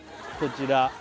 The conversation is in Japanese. こちら